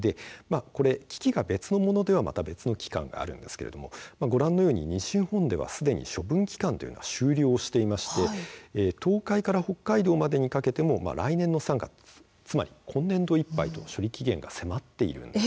機器が別のものではまた別の期限があるんですがご覧のように西日本ではすでに処分期間というのは終了していまして東海から北海道までにかけても来年の３月つまり今年度いっぱいと処理期限が迫っているんです。